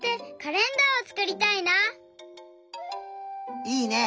いいね！